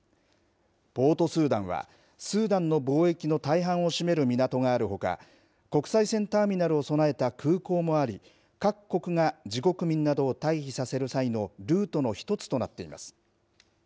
ポートスーダンは、スーダンの貿易の大半を占める港があるほか、国際線ターミナルを備えた空港もあり、各国が自国民などを退避させる際のルートの１つとなっています。